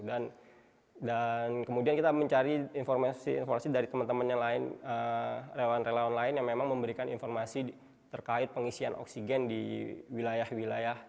dan kemudian kita mencari informasi dari teman teman yang lain relawan relawan lain yang memang memberikan informasi terkait pengisian oksigen di wilayah wilayah